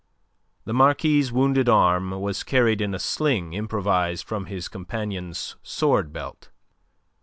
The Marquis' wounded arm was carried in a sling improvised from his companion's sword belt.